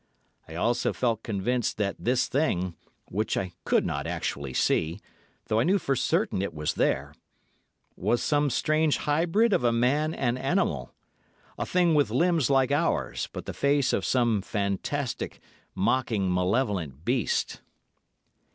I also felt convinced that this thing, which I could not actually see—though I knew for certain it was there—was some strange hybrid of a man and animal; a thing with limbs like ours, but the face of some fantastic, mocking, malevolent beast.